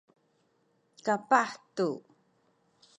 kapah tu